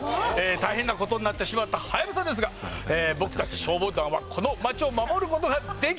大変な事になってしまったハヤブサですが僕たち消防団はこの町を守る事ができるのか！？